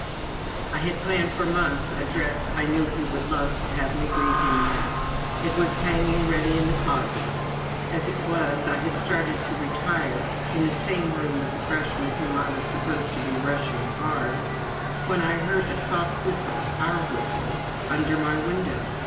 I had planned for months a dress I knew he would love to have me greet him in. It was hanging ready in the closet. As it was, I had started to retire in the same room with a Freshman whom I was supposed to be "rushing" hard when I heard a soft whistle our whistle under my window.